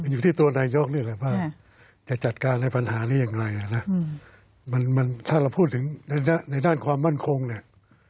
อยู่ที่ตัวนายกนี่แหละว่าจะจัดการในปัญหานี้อย่างไรนะมันถ้าเราพูดถึงในด้านความมั่นคงเนี่ย